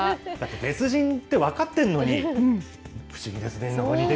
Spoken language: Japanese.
別人って分かってるのに、不思議ですね。